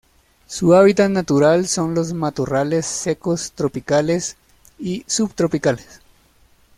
Su hábitat natural son los matorrales secos tropicales y subtropicales.